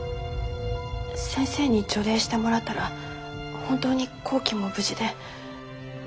先生に除霊してもらったら本当に幸希も無事で。